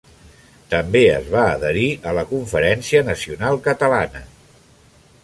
També es va adherir a la Conferència Nacional Catalana.